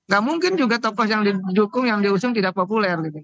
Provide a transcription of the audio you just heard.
gak mungkin juga tokoh yang didukung yang diusung tidak populer